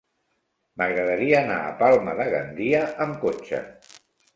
M'agradaria anar a Palma de Gandia amb cotxe.